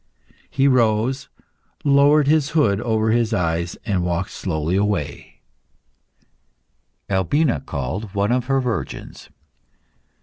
He rose, lowered his hood over his eyes, and walked away slowly. Albina called one of her virgins.